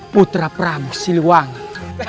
putra prabu siliwangan